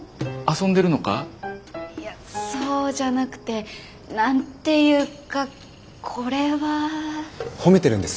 いやそうじゃなくて何て言うかこれは。褒めてるんです。